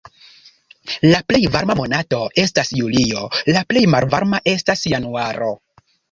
La plej varma monato estas julio, la plej malvarma estas januaro.